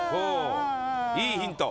いいヒント。